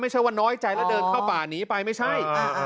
ไม่ใช่ว่าน้อยใจแล้วเดินเข้าป่าหนีไปไม่ใช่